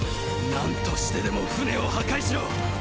何としてでも船を破壊しろ！！